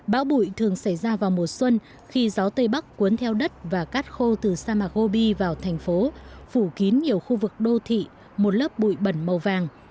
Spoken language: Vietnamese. bão bụi thường xảy ra vào mùa xuân khi gió tây bắc cuốn theo đất và cát khô từ sa mạcobi vào thành phố phủ kín nhiều khu vực đô thị một lớp bụi bẩn màu vàng